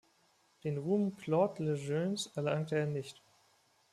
Den Ruhm Claude Le Jeunes erlangte er nicht.